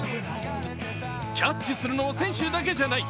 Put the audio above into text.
キャッチするのは選手だけじゃない。